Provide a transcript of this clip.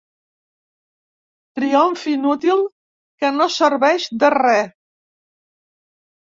Triomf inútil, que no serveix de re.